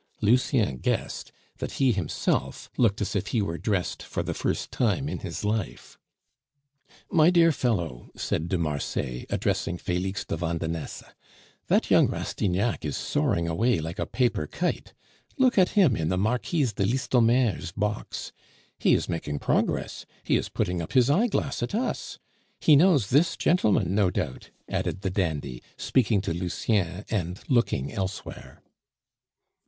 Lucien guessed that he himself looked as if he were dressed for the first time in his life. "My dear fellow," said de Marsay, addressing Felix de Vandenesse, "that young Rastignac is soaring away like a paper kite. Look at him in the Marquise de Listomere's box; he is making progress, he is putting up his eyeglass at us! He knows this gentleman, no doubt," added the dandy, speaking to Lucien, and looking elsewhere.